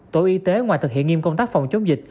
tổ y tế ngoài thực hiện nghiêm công tác phòng chống dịch